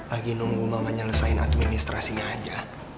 lagi nunggu mama nyelesain administrasinya aja